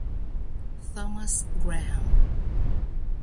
Thomas Graham